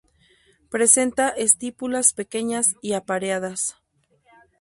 Presenta estípulas pequeñas y apareadas.